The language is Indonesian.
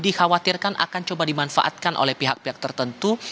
dikhawatirkan akan coba dimanfaatkan oleh pihak pihak tertentu